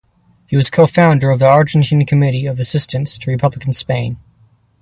He was co-founder of the Argentine Committee of Assistance to Republican Spain.